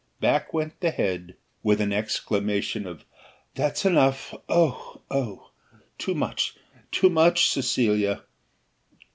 Back went the head, with an exclamation of "That's enough! Oh, oh! too much! too much, Cecilia!"